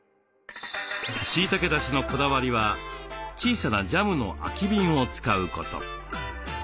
しいたけだしのこだわりは小さなジャムの空き瓶を使うこと。